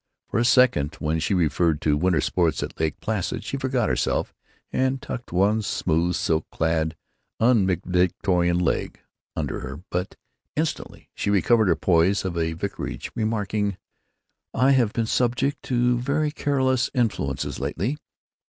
For a second, when she referred to winter sports at Lake Placid, she forgot herself and tucked one smooth, silk clad, un mid Victorian leg under her, but instantly she recovered her poise of a vicarage, remarking, "I have been subject to very careless influences lately."